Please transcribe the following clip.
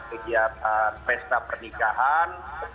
kegiatan pesta pernikahan